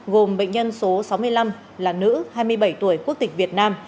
gồm bệnh nhân số sáu mươi năm là nữ hai mươi bảy tuổi quốc tịch việt nam